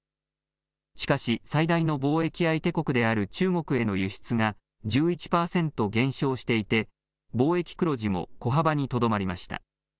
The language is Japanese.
しかし最大の貿易相手国である中国への輸出が１１％減少していて貿易黒字も小幅にとどまりました。